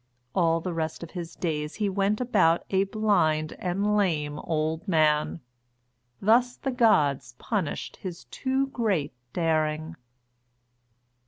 All the rest of his days he went about a blind and lame old man. Thus the gods punished his too great daring.